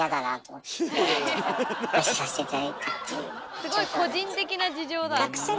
すごい個人的な事情だ！